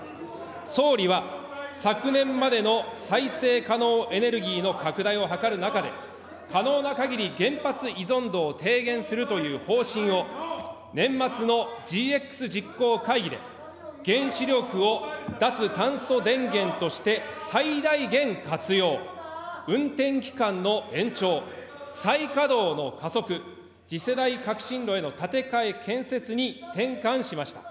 総理は、昨年までの再生可能エネルギーの拡大を図る中で、可能なかぎり原発依存度を提言するという方針を年末のＧＸ実行会議で、原子力を脱炭素電源として最大限活用、運転期間の延長、再稼働の加速、次世代革新炉への建て替え・建設に転換しました。